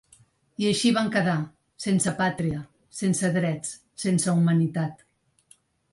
I així van quedar, sense pàtria, sense drets, sense humanitat.